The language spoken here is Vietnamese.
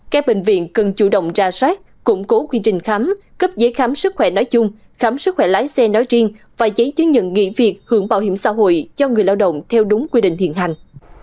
các bệnh viện cần chủ động ra soát củng cố quy trình khám cấp giấy khám sức khỏe nói chung khám sức khỏe lái xe nói riêng và giấy chứng nhận nghỉ việc hưởng bảo hiểm xã hội cho người lao động theo đúng quy định hiện hành